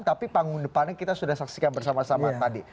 tapi panggung depannya kita sudah saksikan bersama sama tadi